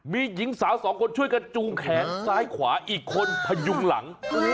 มีหญิงสาวสองคนช่วยกันจูงแขนซ้ายขวาอีกคนพยุงหลัง